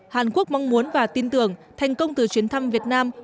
hàn quốc mong muốn và tin tưởng thành công từ chuyến thăm việt nam